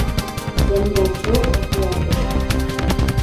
«ЗӘҢГӘРҺЫУ ВАСЫЯТЫ»